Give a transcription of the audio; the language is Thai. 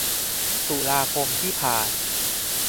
ตุลาคมที่ผ่าน